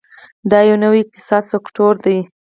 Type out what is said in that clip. دا یو نوی اقتصادي سکتور دی.